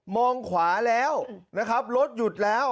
มองขวาแล้วนะครับรถหยุดแล้ว